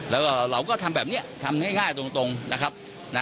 แล้วก็เราก็ทำแบบนี้ทำง่ายตรงนะครับ